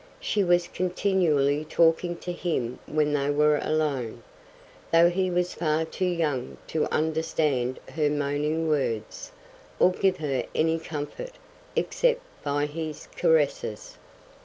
She was continually talking to him when they were alone, though he was far too young to understand her moaning words, or give her any comfort, except by his caresses.